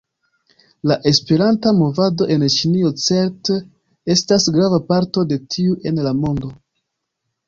La Esperanta movado en Ĉinio certe estas grava parto de tiu en la mondo.